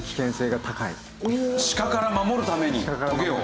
鹿から守るためにトゲを？